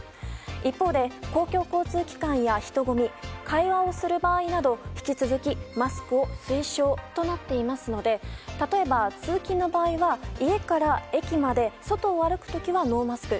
一方で公共交通機関や人混み会話をする場合など引き続きマスクを推奨となっていますので例えば、通勤の場合は家から駅まで外を歩く時はノーマスク。